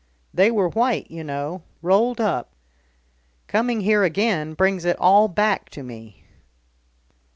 They were white, you know, rolled up. Coming here again brings it all back to me."